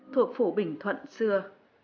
thuộc phủ bình thuận xưa